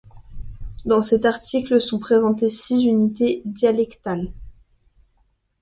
Dans cet article sont présentées six unités dialectales.